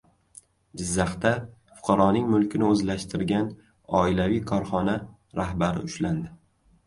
Jizzaxda fuqaroning mulkini o‘zlashtirgan oilaviy korxona rahbari ushlandi